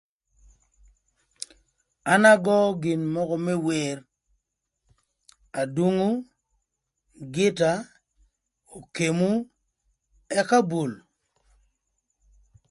An agöö gin mökö më wer, adungu, gïta, okemu ëka bul.